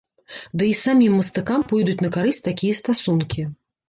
Ды і самім мастакам пойдуць на карысць такія стасункі.